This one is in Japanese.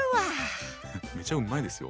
めちゃうまいですよ。